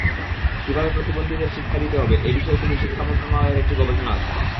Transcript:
কীভাবে প্রতিবন্ধীদের শিক্ষা দিতে হবে—এ বিষয়ে শুধু শিক্ষা মন্ত্রণালয়ের একটি গবেষণা আছে।